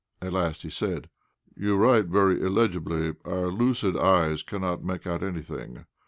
At last he said "You write very illegibly; our lucid eyes cannot make out anything.